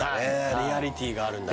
リアリティーがあるんだね